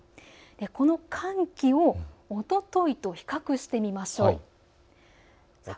この寒気をおとといと比較してみましょう。